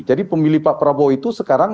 jadi pemilih pak prabowo itu sekarang